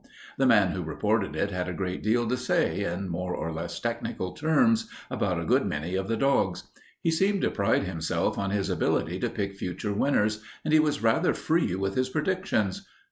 The man who reported it had a great deal to say, in more or less technical terms, about a good many of the dogs. He seemed to pride himself on his ability to pick future winners and he was rather free with his predictions.